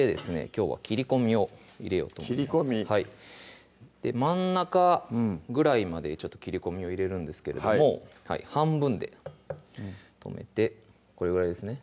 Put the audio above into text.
きょうは切り込みを入れようと思います真ん中ぐらいまでちょっと切り込みを入れるんですけども半分で止めてこれぐらいですね